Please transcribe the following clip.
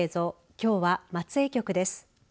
きょうは松江局です。